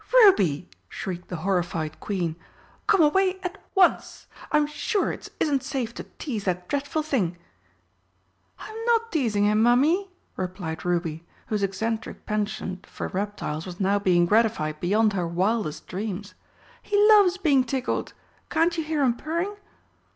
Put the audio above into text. "Ruby!" shrieked the horrified Queen, "come away at once! I'm sure it isn't safe to tease that dreadful thing!" "I'm not teasing him, Mummy," replied Ruby, whose eccentric penchant for reptiles was now being gratified beyond her wildest dreams. "He loves being tickled. Can't you hear him purring?"